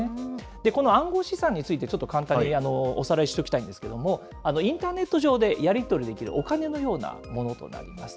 この暗号資産について、ちょっと簡単におさらいしておきたいんですけれども、インターネット上でやり取りできるお金のようなものとなります。